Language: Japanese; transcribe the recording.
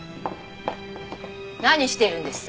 何してるんです？